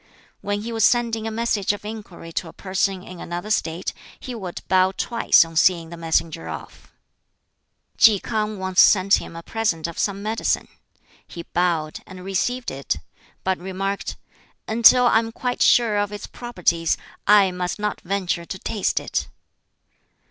When he was sending a message of inquiry to a person in another State, he would bow twice on seeing the messenger off. Ki K'ang once sent him a present of some medicine. He bowed, and received it; but remarked, "Until I am quite sure of its properties I must not venture to taste it."